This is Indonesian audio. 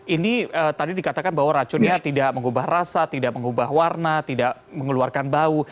ini tadi dikatakan bahwa racunnya tidak mengubah rasa tidak mengubah warna tidak mengeluarkan bau